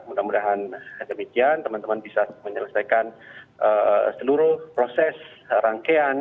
mudah mudahan demikian teman teman bisa menyelesaikan seluruh proses rangkaian